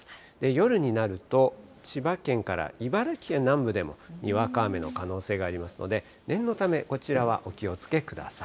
夜になると、千葉県から茨城県南部でもにわか雨の可能性がありますので、念のため、こちらはお気をつけください。